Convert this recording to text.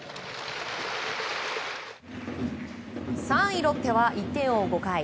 ３位ロッテは１点を追う５回。